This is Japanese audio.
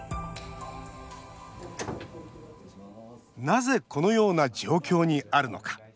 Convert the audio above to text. なぜ、このような状況にあるのか。